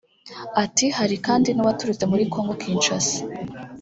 Ati “hari kandi n’uwaturutse muri Congo Kinshasa